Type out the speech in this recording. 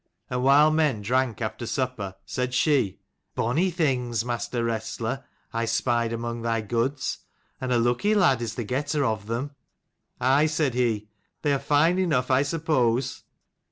And while men drank after supper, said she, " Bonny things, master wrestler, I spied among thy goods : and a lucky lad is the getter of them." " Aye," said he, " they are fine enough, I suppose."